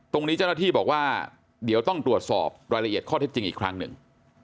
ตรงนี้เจ้าหน้าที่บอกว่าเดี๋ยวต้องตรวจสอบรายละเอียดข้อเท็จจริงอีกครั้งหนึ่ง